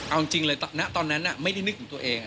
เอาจริงเลยณตอนนั้นไม่ได้นึกถึงตัวเอง